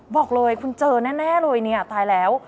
บอกเลยคุณเจอแน่เลยเนี่ยตายแล้ว